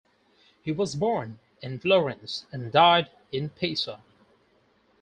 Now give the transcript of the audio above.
He was born in Florence and died in Pisa.